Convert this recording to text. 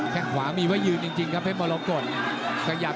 แค่ขวามีวิวอยืนจริงครับเพลงมะรองกรด